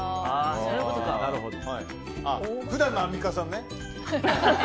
普段のアンミカさんね。